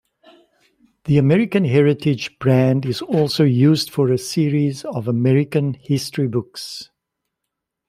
The "American Heritage" brand is also used for a series of American history books.